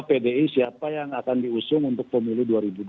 pdi siapa yang akan diusung untuk pemilu dua ribu dua puluh